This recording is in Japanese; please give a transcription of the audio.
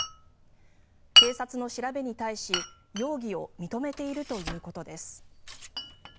警察の調べに対し容疑を認めているということです。